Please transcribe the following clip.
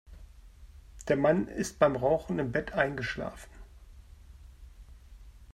Der Mann ist beim Rauchen im Bett eingeschlafen.